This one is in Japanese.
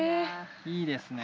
いいですね。